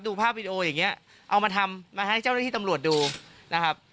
ภาพวิดีโออย่างเงี้ยเอามาทำมาให้เจ้าหน้าที่ตำรวจดูนะครับ